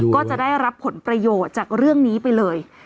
ก็จะได้รับผลประโยชน์จากเรื่องนี้ไปเลย